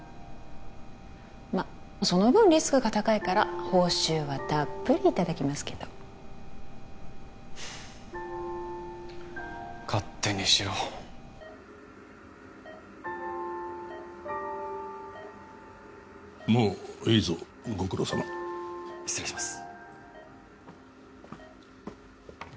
まっその分リスクが高いから報酬はたっぷりいただきますけど勝手にしろもういいぞご苦労さま失礼します